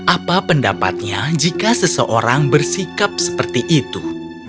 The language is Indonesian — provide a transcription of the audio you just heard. apa pendapatnya jika seseorang bersikap seperti itu